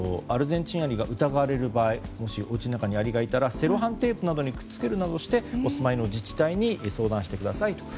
アルゼンチンアリが疑われる場合もしおうちの中にアリがいたらセロハンテープにくっつけるなどしてお住まいの自治体に相談してください